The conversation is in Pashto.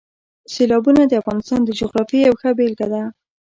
سیلابونه د افغانستان د جغرافیې یوه ښه بېلګه ده.